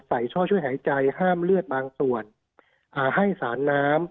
ช่อช่วยหายใจห้ามเลือดบางส่วนอ่าให้สารน้ำ